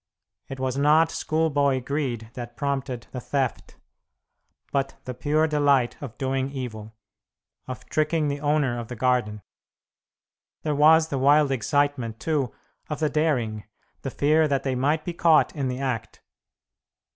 It was not schoolboy greed that prompted the theft, but the pure delight of doing evil, of tricking the owner of the garden. There was the wild excitement, too, of the daring; the fear that they might be caught in the act.